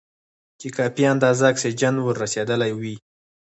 چې کافي اندازه اکسیجن ور رسېدلی وي.